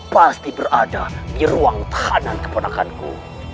pasti berada di ruang tahanan keponakanku